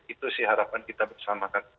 itu sih harapan kita bersama kan